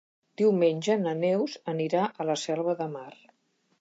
Diumenge na Neus anirà a la Selva de Mar.